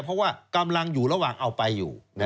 เพราะว่ากำลังอยู่ระหว่างเอาไปอยู่